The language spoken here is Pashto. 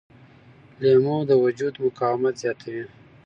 لیمو د وجود مقاومت زیاتوي.